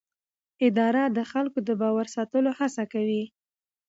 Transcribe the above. اداره د خلکو د باور ساتلو هڅه کوي.